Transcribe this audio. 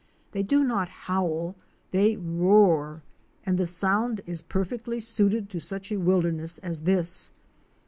They do not howl, they roar, and the sound is perfectly suited to such a wilderness as this.